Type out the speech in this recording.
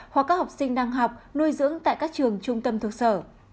hoặc các học sinh đang học nuôi dưỡng tại các trường trung tâm thực sở